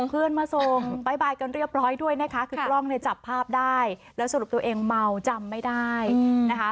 เพื่อนมาส่งบ๊ายบายกันเรียบร้อยด้วยนะคะคือกล้องเนี่ยจับภาพได้แล้วสรุปตัวเองเมาจำไม่ได้นะคะ